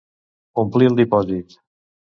Omplir el dipòsit.